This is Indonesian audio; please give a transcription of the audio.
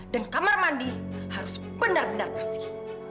kamar mandi harus benar benar bersih